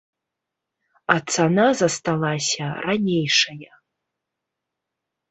А цана засталася ранейшая.